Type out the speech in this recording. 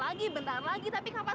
adit itu siapa